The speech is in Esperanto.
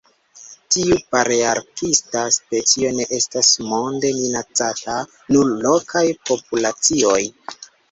Tiu palearktisa specio ne estas monde minacata, nur lokaj populacioj.